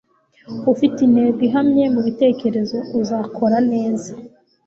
Ufite intego ihamye mubitekerezo, uzakora neza.